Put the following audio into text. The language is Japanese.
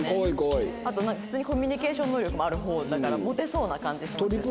あと普通にコミュニケーション能力もある方だからモテそうな感じしますよね。